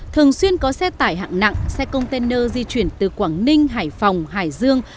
thường xuyên có xe tải hạng nặng xe container di chuyển từ quảng ninh hải phòng hải dương